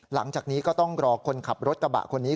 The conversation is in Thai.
หลังจากนี้ก็ต้องรอคนขับรถกระบะคนนี้